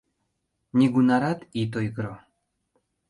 — Нигунарат ит ойгыро.